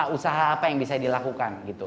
usaha apa yang bisa dilakukan gitu